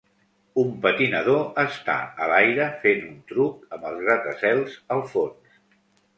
Un patinador està a l'aire fent un truc amb els gratacels al fons.